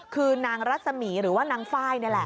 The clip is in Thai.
คือนางรัศมีหรือนางไฟนี่แหละ